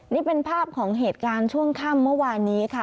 นี่เป็นภาพของเหตุการณ์ช่วงค่ำเมื่อวานนี้ค่ะ